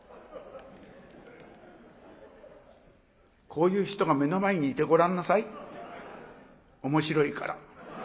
こういう人が目の前にいてごらんなさい面白いから。